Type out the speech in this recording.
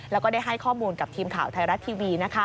แล้วก็ได้ให้ข้อมูลกับทีมข่าวไทยรัฐทีวี